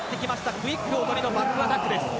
クイックおとりのバックアタックです。